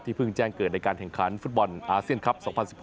เพิ่งแจ้งเกิดในการแข่งขันฟุตบอลอาเซียนคลับ๒๐๑๖